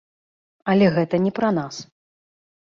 Але гэта не пра нас.